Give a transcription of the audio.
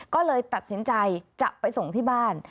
ก็เลยตัดสินใจจะไปส่งที่บ้าน